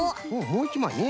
もういちまいね。